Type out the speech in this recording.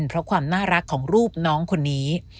เพราะความน่ารักของรูปน้องคนนี้